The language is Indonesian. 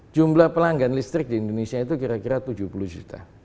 jumlah pelanggan listrik di indonesia itu kira kira tujuh puluh juta